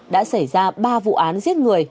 đã xảy ra ba vụ án giết người